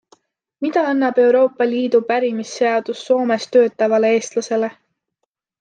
Mida annab Euroopa Liidu pärimisseadus Soomes töötavale eestlasele?